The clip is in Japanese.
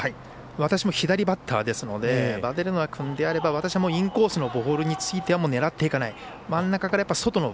私も左バッターですのでヴァデルナ君であれば私もインコースのボールについては狙っていかない。